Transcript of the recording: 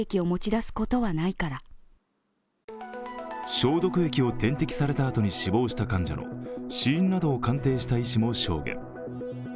消毒液を点滴されたあとに死亡した患者の死因などを鑑定した医師も証言。